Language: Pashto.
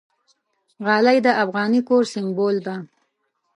غالۍ د افغاني کور سِمبول ده.